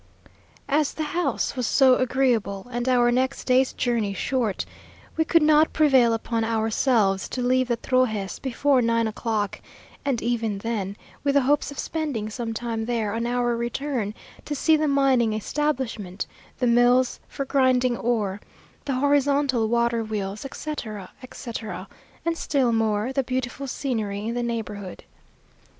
As the house was so agreeable, and our next day's journey short, we could not prevail upon ourselves to leave the Trojes before nine o'clock; and even then, with the hopes of spending some time there on our return to see the mining establishment; the mills for grinding ore, the horizontal water wheels, etc., etc.; and still more, the beautiful scenery in the neighbourhood.